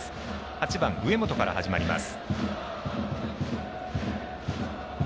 ８番、上本から始まります。